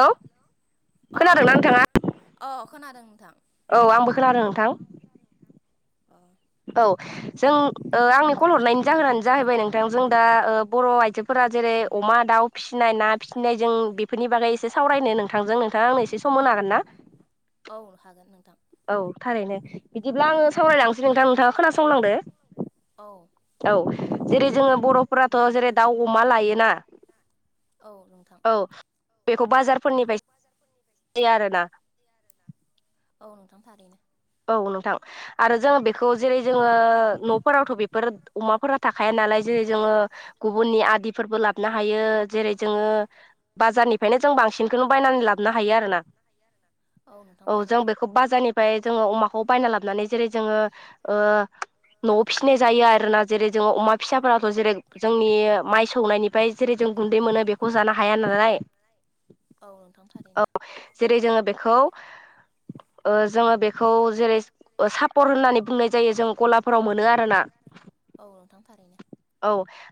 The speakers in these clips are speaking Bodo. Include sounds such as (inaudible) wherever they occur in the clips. ह खोनादोंना नोंथाङा खोनादों नोंथां? औ आंबो खोनादों नोंथां। अ। औ जों आंनि कल हरनायनि जाहोनानो जाहैबाय नोंथां जों दा बर' आइजोफोरा जेरै अमा दाउ फिसिनाय ना फिसिनायजों बेफोरनि बागै एसे सावरायनो नोंथांजों नोंथाङा आंनो एसे समाव। हागोन ना? औ हागोन नोंथां। औ थारैनो बिदिब्ला आङो सावरायलांसै नोंथां नोंथाङा खोनासंलांदो। औ। जेरै जोङो बर'फोराथ' जेरै दाउ अमा लायोना औ नोंथां बेखौ बाजारफोरनिफ्राय (inaudible) जायो आरोना औ नोंथां थारैनो औ नोंथां आरो जोङो बे जेरै जोङ न'फोरावथ' बेफोर अमाफोरा थाखाय नालाय जेरै जोङो गुबनिदि फोरबो लाबनो हायो जेरै जोङो बाजारनि बेनो जों बांसिनखौनो बायनानै लाबोनो हायो आरोना औ जों बेखौ बाजारनिफ्राय जोङो अमाखौ बायना लाबोनानै जेरै जोङो ओ न फिसिनाय जायो आरोना जेरै जोङो अमा फिसाबाबो जेरै जोंनि माइ सौनायनिफ्राय जेरै जों गुन्दै मोनो बेखौ जानो हाया नालाय औ जेरै जोङो बेखौ ओ जोङो बे- खौ जेरै ओ सापर होननानै बुंनाय जायो जों गलाफोराव मोनो आरोना औ नोंथां थारैनो औ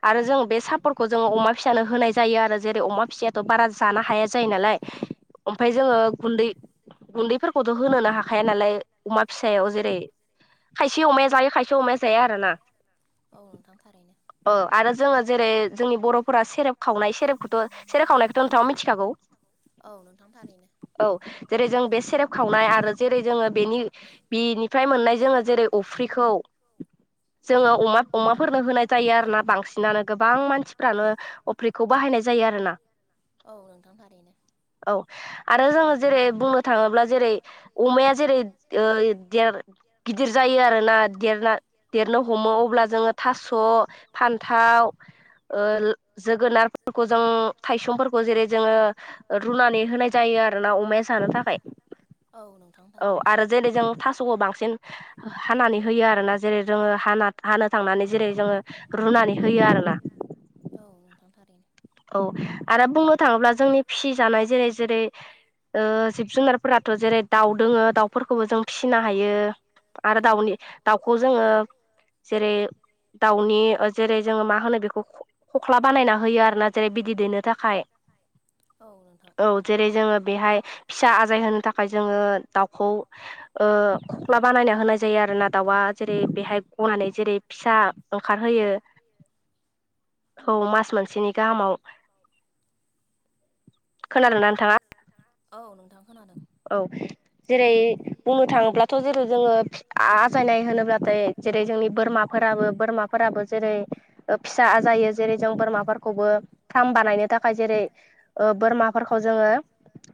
आरो जों बे सापरखौ जोंङो अमा फिसानो होनाय जायो आरो जेरै अमा फिसायाथ' बारा जाना हाया जायो नालाय ओमफ्राय जोङो गुन्दै गुन्दैफोरखौथ' होनोनो हाखाया नालाय अमा फिसायाव जेरै खायसे अमाया जायो खायसे अमाया जाया- औ नोंथां थारैनो। ओ आरो जोङो जेरै जोंनि बर'फोरा सेरेब खावनाय सेरेबखौथ' सेरेब खावनायखौथ' नोंथाङा मिथिखागौ? (inaudible) औ नोंथां थारैनो। औ जेरै जों बे सेरेब खावनाय आरो जेरै जोङो बेनि बेनिफ्राय जोङो जेरै अफ्रिखौ जोङो अमा - अमाफोरनो होनाय जायो आरोना बांसिनानो गोबां मानसिफ्रानो अफ्रिखौ बाहायनाय जायो आरोना औ। जेरै बुंनो थाङोब्ला जेरै अमाया जेरै ओ देर गिदिर जायो आरोना। आ गेरना देरनो हमो अब्ला जोङो थास' फान्थाव ओ-ल जोगोनारफोरखौ जों थायसंफोरखौ जेरै जोङो रुनानै होनाय जायो आरोना अमाया जानो थाखाय। औ आरो जेरै जों थास'खौ बांसिन हानानै होयो आरोना जेरै जोङो हानाथ - हानो थांनानै जेरै जोङो रुनानै होयो आरोना। औ नोंथां थारैनो। औ आरो बुंनो थाङोब्ला जोंनि फिजानाय जेरै जेरै ओ जिब जुनारफोराथ' जेरै दाउ दोङो दाउफोरखौबो जों फिसिनो हायो आरो दाउनि दाउखौ जोङो जेरै दाउनि जेरै जोङो मा होनो बेखौ ख'- खख्ला बानायना होयो आरोना। जेरै बिदि दैनो थाखाय औ जेरै जोङो बेहाय फिसा आजाय होनो थाखाय जोङो दाउखौ ओ खख्ला बानायनो हो नाय जायो आरो ना दाउआ जेरै बेहाय गनानै जेरै फिसा ओंखारहोयो औ मास मोनसेनि गाहामाव खोनादोना- खोनादोना नोंथाङा औ नोंथां खोनादों औ जेरै बुंनो थाङोब्लाथ' जेरै जोङो आ आजायनाय होनोब्लाथाय जेरै जोंनि बोरमाफोर याबो बोरमाफोराबो जेरै ओ फिसा आजायो जेरै जों बोरमाफोर खौबो फार्म बानायनो थाखाय जेरै ओ बोरमाफोरखौ जोङो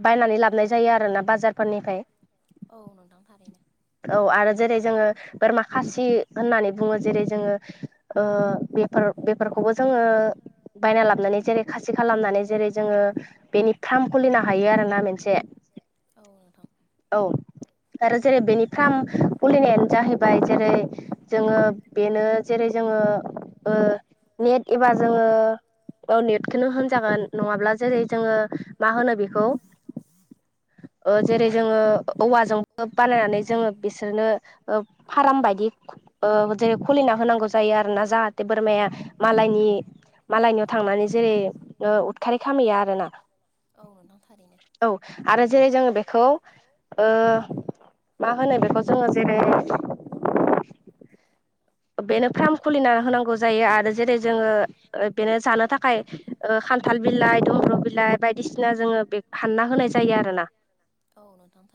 बायनानै लाबोन जायो आरोना बाजार फोरनिफ्राय। औ नोंथां थारैनो। (inaudible) औ आरो जेरै जोङो बोरमा खासि होननानै बुङो जेरै जोङो ओ बेफोर फोर बेफोरखौबो जोङो बायना लाबोनानै जेरै खासि खालामनानै जेरै जोङो बेनि फार्म खुलिनो हायो आरो ना मोनसे। औ। आरो जेरै बेनि फ्राम खुलिनायानो जाहैबाय जेरै जोङो बेनो जेरै जों जोङो ओ नेट एबा जोङो औ नेटखौनो होनजागोन नङाब्ला जेरै जोङो मा होनो बेखौ (inaudible) जेरै जोंङो औवाजोंबो बानायनानै जोंङो बिसोरनो फार्म बायदि‌ जेरै खुलिना होनांगौ जायो आरोना जाहाथे बोरमाया मालायनि याव थांनानै जेरै उदखारि खालामहैया आरोना। औ आरो जेरै जोंङो खौ मा होनो बेखौ जोंङो जेरै (inaudible) बेनो फार्म खुलिना होनांगौ जायो आरो जेरै जोंङो बेनो जानो थाखाय खान्थाल। खान्थाल बिलाइ दुब्रु बिलाइ बायदिसिना जोंङो बेखौ हानना होनाय जायो आरोना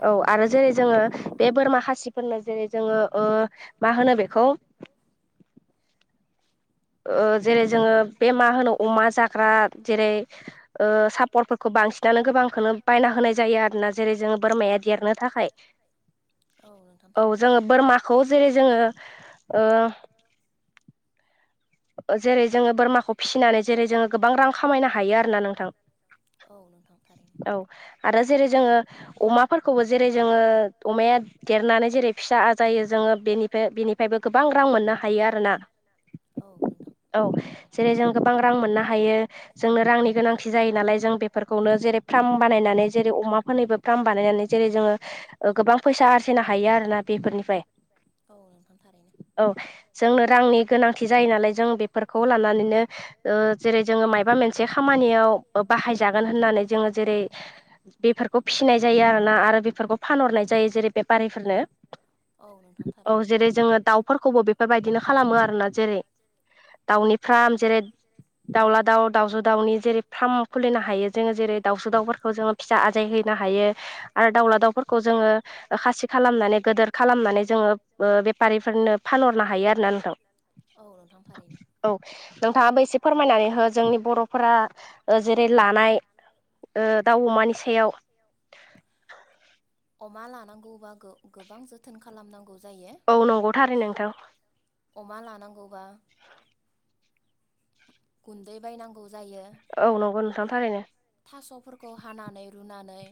औ। आरो जेरै जोंङो बे बोरमा खासिफोरनो जेरै जोंङो मा होनो बेखौ। जेरै जोंङो बे मा होनो अमा जाग्रा जेरै सापर्टफोरखौ बांसि बांसिनानो गोबांखौनो बायना होनाय जायो आरोना जेरै जोंङो बोरमाया देरनो थाखाय। औ जोंङो बोरमाखौ जेरै जोंङो ओ। (inaudible) जेरै जोंङो बोरमाखौ फिसिनानै जेरै जोंङो गोबां रां खामायनो हायो आरो ना नोंथां। औ आरो जेरै जोंङो अमाफोरखौबो जेरै जोंङो अमाया देरनानै जेरै फिसा आजायो जोंङो बेनिफ्राय बेनिफ्रायबो गोबां रां मोननो हायो आरोना। (inaudible) औ नोंथां। औ जेरै जों गोबां रां मोननो हायो जोंनो रांनि गोनांथि जायो नालाय जों बेफोरखौनो जेरै। फार्म बानायनानै जेरै अमाफोरनिबो फार्म बानायनानै जेरै जोंङो गोबां फैसा आरजिनो हायो आरोना। बेफोरनिफ्राय औ जोंनो रांनि गोनांथि जायो नालाय जों बेफोरखौ लानानैनो जेरै जोंङो माइबा मोनसे खामानियाव बाहायजागोन होननानै जोंङो। जेरै बेफोरखौ फिसिनाय जायो आरोना आरो बेफोरखौ फानहरनाय जायो जेरै बेफारिफोरनो औ जेरै जोंङो दाउफोरखौबो बेफोरबायदिनो खालामो आरोना जेरै दाउनि फार्म जेरै दाउला दाउ दाउजो दाउनि जेरै फार्म खुलिनो हायो जोंङो जेरै दाउजो दाउफोरखौ जोंङो फिसा आजाय होयो। होनो हायो आरो दाउला दाउफोरखौ जोंङो खासि खालामनानै गोदोर खालामनानै जोंङो बेफारिफोरनो फानहरनो हायो आरोना नोंथां। औ नोंथां फानहैयो। औ नोंथांङाबो एसे फोरमायनानै हो जोंनि बरफोरा जेरै लानाय। दाउ अमानि सायाव। अमा लानांगौबा गोबां जोथोन खालामनांगौ। जायो अमा लानांगौबा। गुन्दै बायनांगौ। औ नंगौ नोंथां थारैनो। थासफोरखौ हानानै रुनानै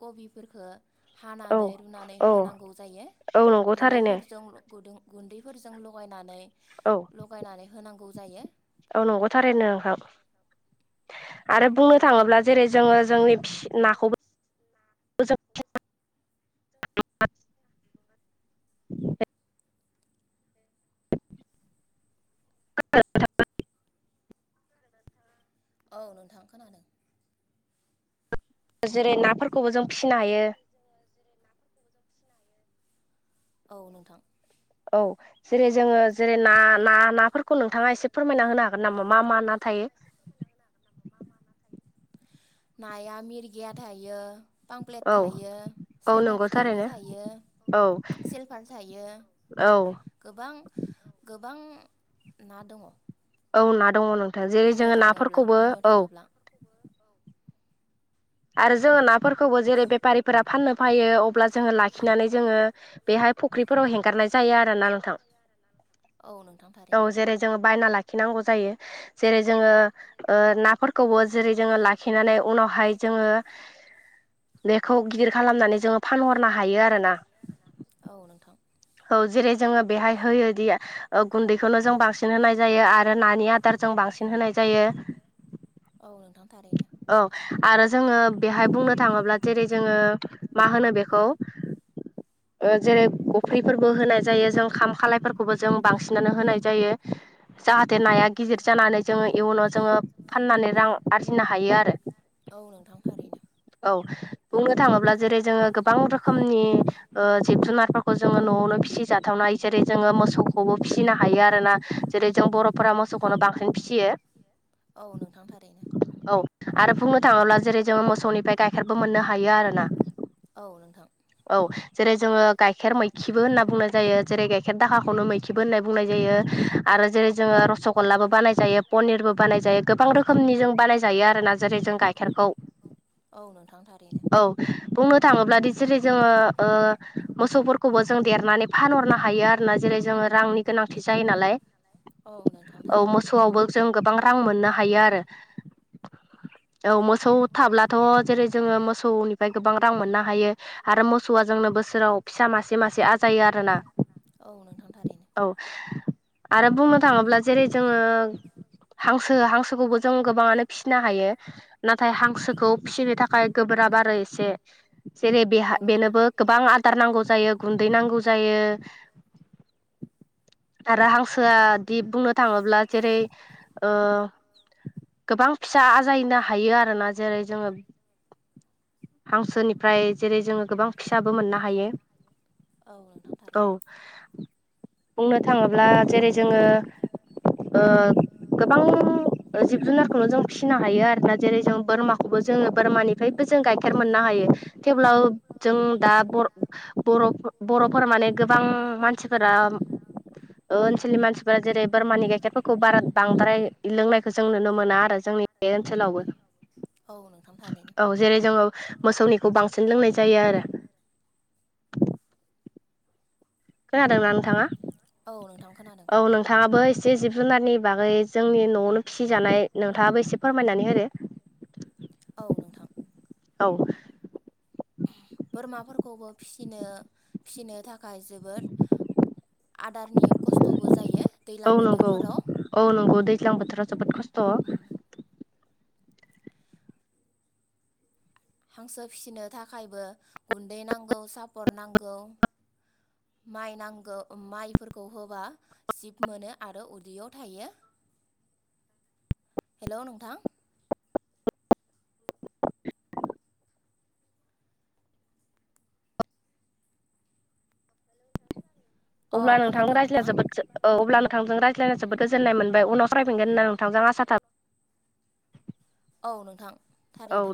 कबिफोरखौ हानानै रुनानै होनांगौ जायो गुन्दैफोरजों गुन्दै फोरजों लगायनानै लगायनानै होनांगौ जायो। औ नंगौथारै नोंथां आरो बुंनो थाङोब्ला। जेरै जोंङो जोंनि नाखौबो। (inaudible) (inaudible) औ नोंथां खोनादों। जेरै नाफोरखौबो जों फिसिनो हायो। औ नोंथां। औ जेरै जोंङो जेरै ना-ना-नाफोरखौ खौ नोंथाङा एसे फोरमायना होनो हागोन नामा मा मा ना थायो। नाया मिरगिया थायो। पांप्लेट थायो चाइना फिथिख्रि थायो। सिलफार थायो गोबां-गोबां ना दङ। औ ना दङ नोंथां जेरै जोङो नाफोरखौबो औ आरो जोङो नाफोरखौबो जेरै बेफारिफोरा फाननो फायो अब्ला जोङो लाखिनानै जोङो बेहाय फुख्रिफोराव हेंगारनाय जायो आरोना नोंथां। औ जेरै जोङो बायना लाखि लाखिनांगौ जायो जेरै जोङो नाफोरखौबो जेरै जोङो लाखिनानै उनावहाय जोङो बेखौ गिदिर खालामनानै जोङो फानहरनो हायो आरोना। औ नोंथां औ जेरै जोङो बेहाय होयोदि ओ गुन्दै खौनो जों बांसिन होनाय जायो आरो नानि आदार जों बांसिन होनाय जायो। थारैनो। औ आरो जोङो बेहाय बुंनो थाङोब्ला जेरै जोङो मा होनो बेखौ? ओ जेरै अफ्रिफोरबो होनाय जायो जों खाम खालायफोरखौबो जों बांसिनानो होनाय जायो। जाहाथे नाया गिदिर जानानै जोङो इयुनाव जोङो फाननानै रां आरजिनो हायो आरो औ बुंनो थाङोब्ला जेरै जोङो गोबां रोखोमनि ओ जिब जुनारफोरखौ जोङो न'आवनो फिसिजाथावनाय जेरै जोङो मोसौखौबो फिसिनो हायो आरोना जेरै जों बर'फोरा मोसौखौनो बांसिन फिसियो। औ नोंथां थारै। औ आरो बुंनो थाङोब्ला जेरै जोंङो मोसौनिफ्राय गाइखेरबो मोननो हायो आरो ना। औ नोंथां। जेरै जोङो गाइखेर मैखिबो होनना बुंनाय जायो जेरै गाइखेर दाहाखौनो मैखिबो होनना बुंनाय जायो। आरो जेरै जोङो रस'गल्लालाबो बानाय जायो पनिरबो बानाय जायो गोबां रोखोम खोमनि जों बानाय जायो आरोना जेरै जों गाइखेरखौ औ नोंथां थारै औ बुंनो थाङोब्ला दि जेरै जोङो ओ मोसौफोरखौबो जों देरनानै फान हरनो हायो आरोना जेरै जोङो रांनि गोनांथि जायो नालाय। औ नोंथां थारैनो। जों गोबां रां मोननो हायो आरो। औ मोस सौ थाब्लाथ' जेरै जोङो मोसौनिफ्राय गोबां रां मोननो हायो आरो मोसौआ जोंनो बोसोराव फिसा मासे मासे आजायो आरोना औ। आरो बुंनो थाङोब्ला जेरै जोङो हांसो हांसोखौबो जों गोबाङानो फिसिनो हायो नाथाय हांसोखौ फिसिनो थाखाय गोब्राब आरो एसे। जेरै बेहा बेनोबो गोबां आदार नांगौ जायो गुन्दै नांगौ जायो। आरो हांसोआ दि बुंनो थाङोब्ला जेरै ओ गोबां फिसा आजायनो हायो आरोना जेरै जोङो हां सोनिफ्राय जेरै जोङो गोबां फिसाबो मोननो हायो। औ बुंनो थाङोब्ला जेरै जोङो ओ गोबां जिब जुनारखौल' जों फिसिनो हायो आरो दा जेरै जों बोरमाखौबो जोङो बोरमानिफ्राय जों गाइखेर मोननो हायो थेवब्लाबो जों दा बर' बर' बर'फोरा माने गोबां मानसिफोरा ओनसोलनि मानसिफोरा जेरै बोरमानि गाइखेरफोरखौ बारा बांद्राय लोंनायखौ जों नुनो मोना आरो। जोंनि बे ओनसोलावबो। औ। औ जेरै जोङो मोसौनिखौ बांसिन लोंनाय जायो आरो। खोनादोंना नोंथाङा? औ नोंथाङाबो एसे जिब जुनारनि बागै जोंनि न'आवनो फिसिजानाय नोंथाङाबो एसे फोरमायनानै होदो। औ नोंथां। औ। बोरमाफोरखौबो फिसिनो फिसिनो थाखाय जोबोद आदारनि खस्थ'बो जायो दैज्लां बोथोरफोराव। अ हांसो फिसिनो थाखायबो गुन्दै नांगौ सापर नांगौ। माइ नांगौ माइफोरखौ होबा सिब मोनो आरो उदैयाव थायो। (inaudible) हेल' नोंथां। अब्ला नोंथां रायज्ला जोबोदसो औ अब्ला नोंथांजों रायज्लायनो जोबोद गोजोननाय मोनबाय उनाव सावरायफिनगोन होनना नोंथांजों आसा थाब औ नोंथां थारैनो।